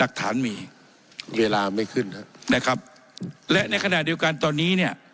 หลักฐานมีเวลาไม่ขึ้นครับนะครับและในขณะเดียวกันตอนนี้เนี่ย